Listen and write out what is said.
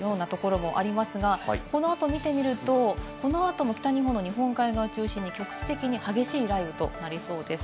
北日本の日本海側、すでに雨が降っていて、土砂降りとなっているようなところもありますが、このあと見てみると、このあとも北日本の日本海側を中心に局地的に激しい雷雨となりそうです。